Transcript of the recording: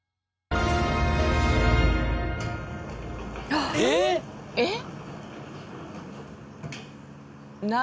あっええっ？